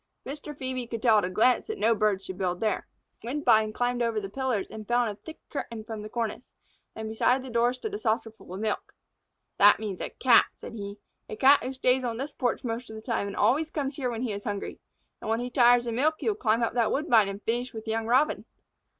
Mr. Phœbe could tell at a glance that no bird should build there. Woodbine climbed over the pillars and fell in a thick curtain from the cornice, and beside the door stood a saucerful of milk. "That means a Cat," said he, "a Cat who stays on this porch most of the time and always comes here when he is hungry. And when he tires of milk he will climb up that woodbine and finish with young Robin.